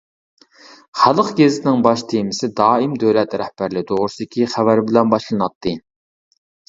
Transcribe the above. خەلق گېزىتىنىڭ باش تېمىسى دائىم دۆلەت رەھبەرلىرى توغرىسىدىكى خەۋەر بىلەن باشلىناتتى.